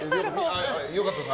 良かったです。